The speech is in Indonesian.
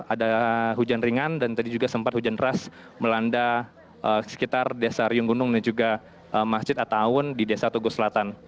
karena hujan ringan dan tadi juga sempat hujan ras melanda sekitar desa riyung gunung dan juga masjid atta awun di desa tugu selatan